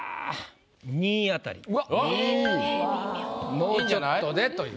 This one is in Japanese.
もうちょっとでという。